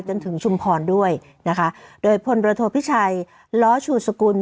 จนถึงชุมพรด้วยนะคะโดยพลเรือโทพิชัยล้อชูสกุล